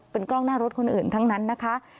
เป็นกล้องหน้ารถคนอื่นทั้งนั้นนะคะ